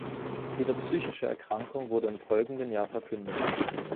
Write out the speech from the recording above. Ihre psychische Erkrankung wurde im folgenden Jahr verkündet.